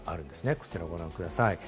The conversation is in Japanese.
こちらをご覧ください。